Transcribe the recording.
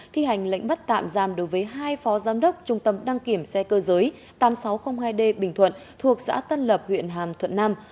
thi hành lệnh bắt tạm giam đối với hai phó giám đốc trung tâm đăng kiểm xe cơ giới tám nghìn sáu trăm linh hai d bình thuận thuộc xã tân lập huyện hàm thuận nam